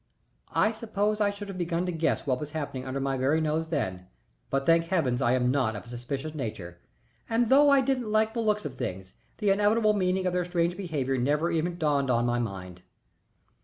I suppose I should have begun to guess what was happening under my very nose then, but thank Heaven I am not of a suspicious nature, and although I didn't like the looks of things, the inevitable meaning of their strange behavior never even dawned upon my mind.